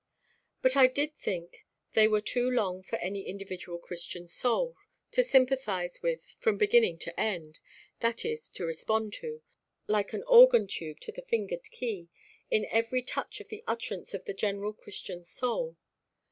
But I did think they were too long for any individual Christian soul, to sympathise with from beginning to end, that is, to respond to, like organ tube to the fingered key, in every touch of the utterance of the general Christian soul.